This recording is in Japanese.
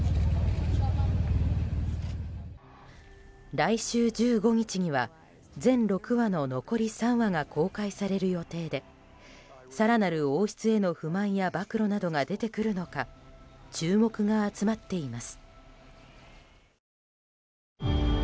来週１５日には全６話の残り３話が公開される予定で更なる王室への不満や暴露などが出てくるのか注目が集まっています。